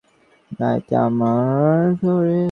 না, এটা আমার।